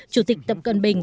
chủ tịch tập cận bình